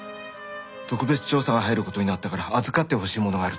特別調査が入る事になったから預かってほしいものがあると。